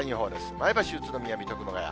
前橋、宇都宮、水戸、熊谷。